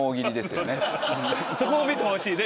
そこを見てほしいね